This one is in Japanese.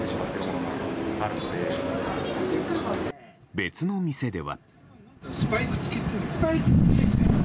別の店では。